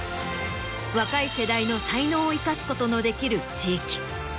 若い世代の才能を生かすことのできる地域。